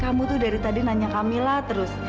kamu tuh dari tadi nanya camilla terus